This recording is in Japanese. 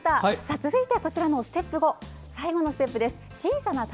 続いて、最後のステップ５。